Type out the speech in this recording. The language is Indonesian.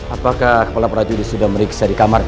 apakah kepala para judi sudah meriksa di kamarnya